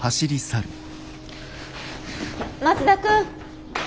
松田君！